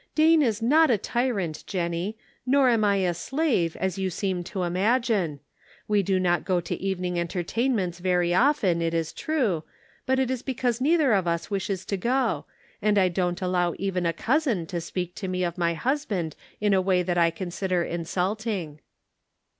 " Dane is not a tyrant, Jennie ; nor am I a slave, as you seem to imagine. We do not go to evening entertainments very often, it is true; but it is because neither of us wishes to go ; and I don't allow even a cousin to speak to me of my husband in a way that I consider insulting."